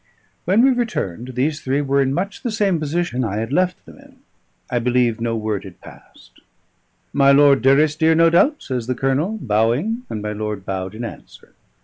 When we returned, these three were in much the same position I had left them in; I believe no word had passed. "My Lord Durrisdeer, no doubt?" says the Colonel, bowing, and my lord bowed in answer.